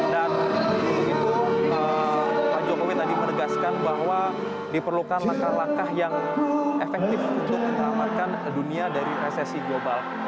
dan itu pak joko widodo tadi menegaskan bahwa diperlukan langkah langkah yang efektif untuk meneramatkan dunia dari resesi global